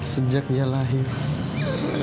sejak dia lahir